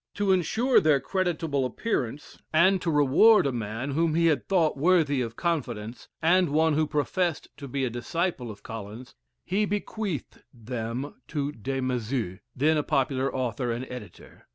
To ensure their credit able appearance, and to reward a man whom he had thought worthy of confidence, and one who professed to be a disciple of Collins, he bequeathed them to Des Maizeaux, then a popular author and editor.